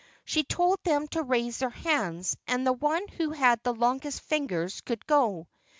She told them to raise their hands and the one who had the longest fingers could go.